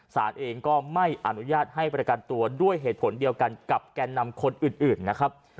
สารเองก็ไม่อนุญาตให้ประกันตัวด้วยเหตุผลเดียวกันกับแกนนำคนอื่นนะครับ